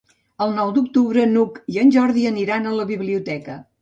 El nou d'octubre n'Hug i en Jordi aniran a la biblioteca.